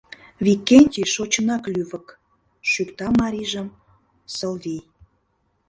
— Викентий шочынак лювык, — шӱкта марийжым Сылвий.